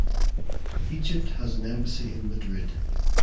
Egypt has an embassy in Madrid.